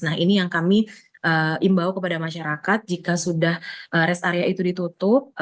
nah ini yang kami imbau kepada masyarakat jika sudah rest area itu ditutup